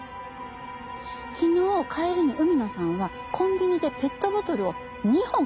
昨日帰りに海野さんはコンビニでペットボトルを２本買ったんですね。